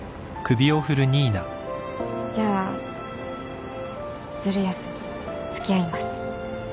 じゃあズル休み付き合います。